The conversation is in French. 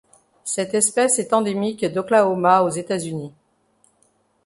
Cette espèce est endémique d'Oklahoma aux États-Unis.